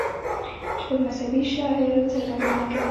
ژبه د مذهبي شعائرو څرګندونه کوي